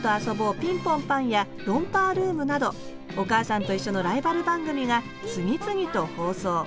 ピンポンパン」や「ロンパールーム」など「おかあさんといっしょ」のライバル番組が次々と放送。